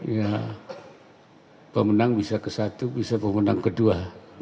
ya pemenang bisa ke satu bisa pemenang ke dua